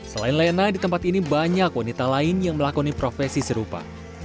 selain lena di tempat ini banyak wanita lain yang melakoni profesi serupa